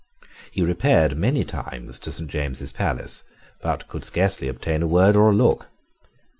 He repaired many times to Saint James's Palace, but could scarcely obtain a word or a look.